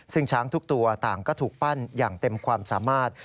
ซึ่งช้างทุกตัวต่างก็ถูกปั้นอย่างเต็มความสามารถ